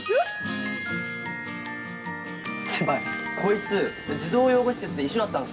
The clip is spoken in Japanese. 先輩こいつ児童養護施設で一緒だったんす。